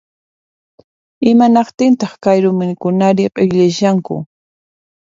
Imanaqtintaq kay rumikunari q'illuyashanku